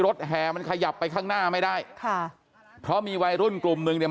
แห่มันขยับไปข้างหน้าไม่ได้ค่ะเพราะมีวัยรุ่นกลุ่มหนึ่งเนี่ย